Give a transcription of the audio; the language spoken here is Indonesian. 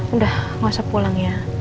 udah gak usah pulang ya